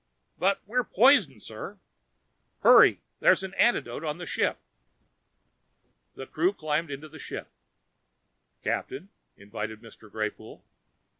"But we're poisoned, sir!" "Hurry! There's an antidote in the ship." The crew climbed into the ship. "Captain," invited Mr. Greypoole.